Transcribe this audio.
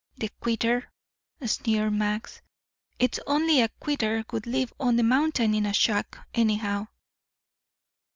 "The quitter," sneered Max. "It's only a quitter would live on the mountain in a shack, anyhow."